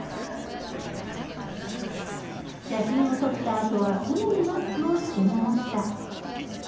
写真を撮ったあとは、すぐにマスクを着け直した。